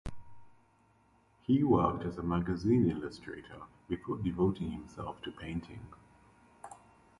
He worked as a magazine illustrator before devoting himself to painting.